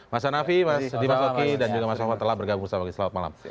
mas hanafi mas dima soki dan juga mas omad telah bergabung selamat malam